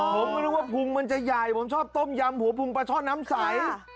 ผมก็นึกว่าพุงมันจะใหญ่ผมชอบต้มยำหัวพุงปลาช่อนน้ำใส